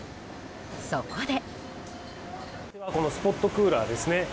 そこで。